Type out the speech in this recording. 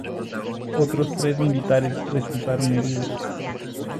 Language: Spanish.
Otros tres militares resultaron heridos.